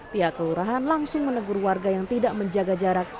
pihak kelurahan langsung menegur warga yang tidak menjaga jarak